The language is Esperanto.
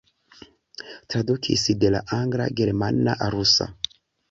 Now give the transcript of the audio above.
Tradukis de la angla, germana, rusa.